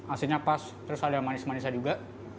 asinnya pas terus ada manis manisnya juga